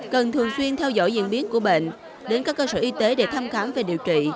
cần thường xuyên theo dõi diễn biến của bệnh đến các cơ sở y tế để thăm khám và điều trị